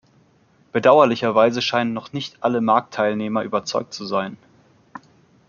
Bedauerlicherweise scheinen noch nicht alle Marktteilnehmer überzeugt zu sein.